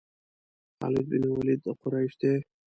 خالد بن ولید د قریش دی.